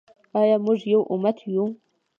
آیا موږ یو امت یو؟